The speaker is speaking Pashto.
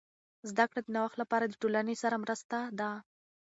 زده کړه د نوښت لپاره د ټولنې سره مرسته ده.